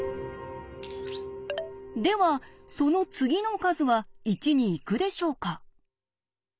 ではその次の数は１に行くでしょうか？